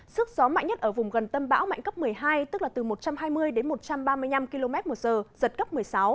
sức gió mạnh nhất ở vùng gần tâm bão mạnh cấp một mươi hai tức là từ một trăm hai mươi đến một trăm ba mươi năm km một giờ giật cấp một mươi sáu